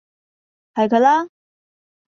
係佢啦!